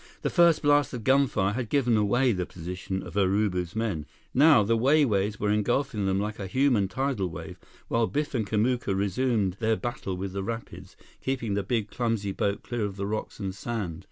The first blast of gunfire had given away the position of Urubu's men. Now, the Wai Wais were engulfing them like a human tidal wave, while Biff and Kamuka resumed their battle with the rapids, keeping the big, clumsy boat clear of the rocks and sand.